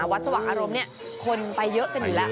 วัดสว่างอารมณ์คนไปเยอะกันอยู่แล้ว